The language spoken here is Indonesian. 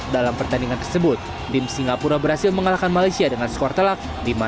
dalam pertandingan tersebut tim singapura berhasil mengalahkan malaysia dengan skor telak lima